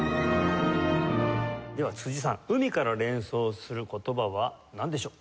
では辻さん「海」から連想する言葉はなんでしょう？